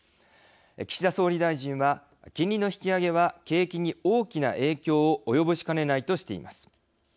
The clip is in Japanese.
岸田総理大臣は金利の引き上げは景気に大きな影響を及ぼしかねないとしています。